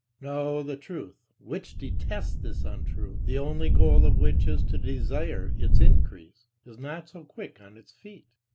No, "the truth," which detests this untruth, the only goal of which is to desire its increase, is not so quick on its feet.